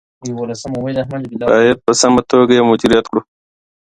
باید په سمه توګه یې مدیریت کړو.